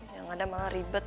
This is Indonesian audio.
yang ada malah ribet